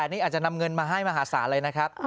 นี่อาจจะนำเงินมาให้มหาศาลเลยนะครับ